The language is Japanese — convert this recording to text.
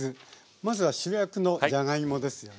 まずは主役のじゃがいもですよね。